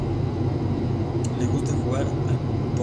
Le gusta jugar al póquer.